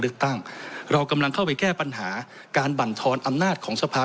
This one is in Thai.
เลือกตั้งเรากำลังเข้าไปแก้ปัญหาการบรรทอนอำนาจของสภา